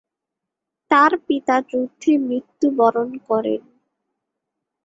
তার পিতা যুদ্ধে মৃত্যুবরণ করেন।